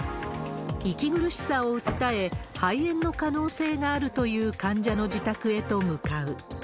息苦しさを訴え、肺炎の可能性があるという患者の自宅へと向かう。